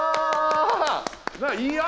いや！